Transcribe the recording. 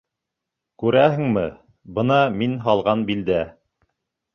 — Күрәһеңме, бына мин һалған билдә!